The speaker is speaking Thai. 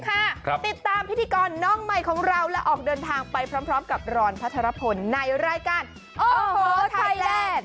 ติดตามพิธีกรน้องใหม่ของเราและออกเดินทางไปพร้อมกับรอนพัชรพลในรายการโอ้โหไทยแลนด์